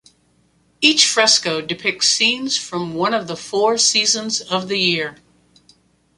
Each fresco depicts scenes from one of the four seasons of the year.